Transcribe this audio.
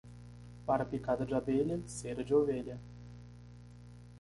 Para picada de abelha, cera de ovelha.